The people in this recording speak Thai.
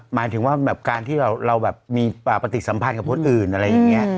หมายถึงว่าแบบการที่เราแบบมีปฏิสัมพันธ์กับคนอื่นอะไรอย่างนี้